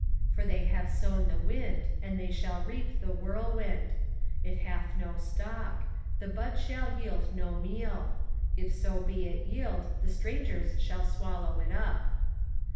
8:7 For they have sown the wind, and they shall reap the whirlwind: it hath no stalk; the bud shall yield no meal: if so be it yield, the strangers shall swallow it up.